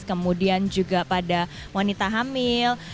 kemudian juga pada wanita hamil